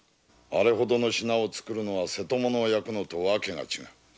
あれほどの品は瀬戸物を焼くのとは訳が違う。